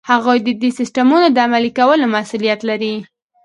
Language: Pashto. هغوی ددې سیسټمونو د عملي کولو مسؤلیت لري.